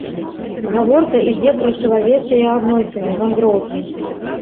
Гаворка ідзе пра чалавечыя адносіны, вандроўкі.